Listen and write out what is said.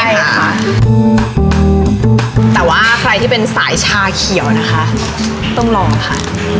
ใช่ค่ะแต่ว่าใครที่เป็นสายชาเขียวนะคะต้องรอค่ะ